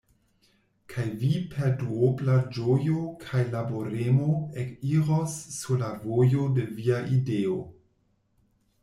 Kaj Vi per duobla ĝojo kaj laboremo ekiros sur la vojo de Via ideo!"